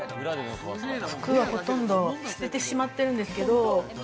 服はほとんど捨ててしまってるんですけど。